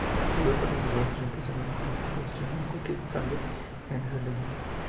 Los grupos religiosos expresaron su oposición a cualquier cambio en esas leyes.